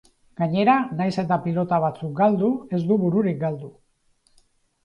Gainera, nahiz eta pilota batzuk galdu ez du bururik galdu.